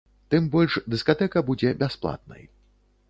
Тым больш, дыскатэка будзе бясплатнай.